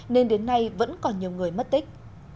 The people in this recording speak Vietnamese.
nên đến nay vẫn còn nhiều người mất tích